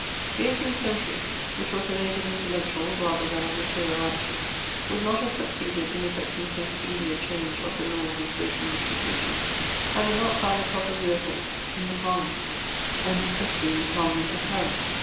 The eighteenth century, which was an age of intellectual^ rather than of material, action, would not have succeeded in effecting so speedy a' change of the laws and social institutions, had it not found the proper vehicle, iu the Parliaments, and especially in the Parliament of Paris.